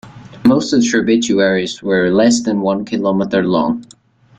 Most of the tributaries were less than one kilometer long.